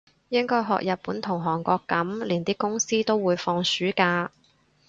應該學日本同韓國噉，連啲公司都會放暑假